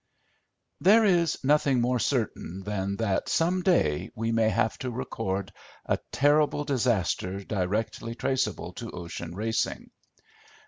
"There is nothing more certain than that some day we may have to record a terrible disaster directly traceable to ocean racing.